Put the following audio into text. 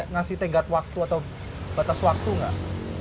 ngasih tenggat waktu atau batas waktu nggak